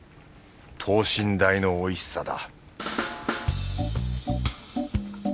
等身大のおいしさだ